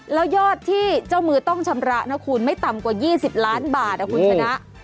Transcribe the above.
แล้วยอดที่เจ้ามือต้องชำระนะคุณไม่ต่ำกว่า๒๐ล้านบาทคุณชนะ